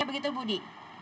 ya begitu budi